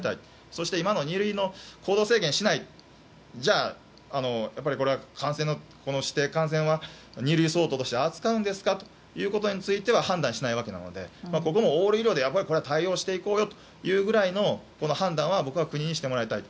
そして、今の二類の行動制限をしないじゃあ指定感染は二類相当として扱うんですかということについては判断しないわけですのでこれもオール医療でこれは対応していこうよというくらいの判断を僕は国にしてもらいたい。